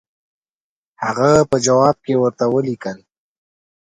هغه په جواب کې ورته ولیکل.